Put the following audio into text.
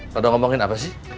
kalau udah ngomongin apa sih